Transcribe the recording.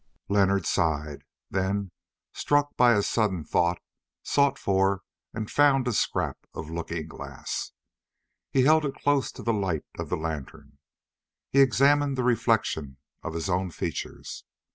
Leonard sighed, then, struck by a sudden thought, sought for and found a scrap of looking glass. Holding it close to the light of the lantern, he examined the reflection of his own features.